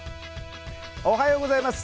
おはようございます。